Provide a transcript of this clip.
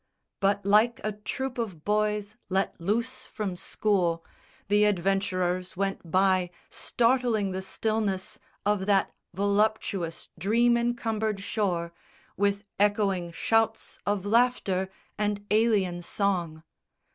But like a troop of boys let loose from school The adventurers went by, startling the stillness Of that voluptuous dream encumbered shore With echoing shouts of laughter and alien song.